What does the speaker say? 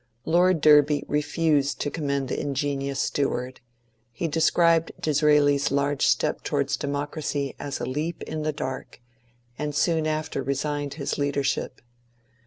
Lord Derby refused to commend the ingenious steward ; he described Disraeli's large step towards democracy as ^^ a leap in the dark," and soon after resigned his lead ership.